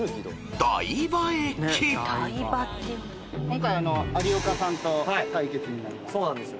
今回有岡さんと対決になります。